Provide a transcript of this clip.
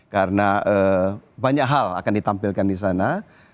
karena banyak hal akan ditampilkan di sana